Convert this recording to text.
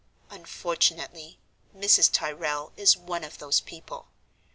"Unfortunately, Mrs. Tyrrel is one of those people.